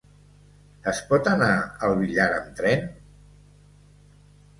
Es pot anar al Villar amb tren?